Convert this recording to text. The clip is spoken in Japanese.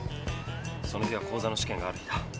その日は講座の試験がある日だ。